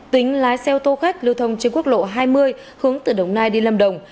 tính lái xe ô tô khách lưu thông trên quốc lộ hai mươi hướng từ đồng nai đi lâm đồng